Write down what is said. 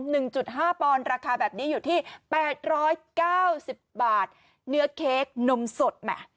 หนึ่งจุดห้าปอนด์ราคาแบบนี้อยู่ที่แปดร้อยเก้าสิบบาทเนื้อเค้กนมสดแหม่